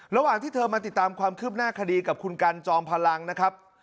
ระหว่างที่เธอมาติดตามความคืบหน้าคดีกับคุณกันจอมพลังนะครับ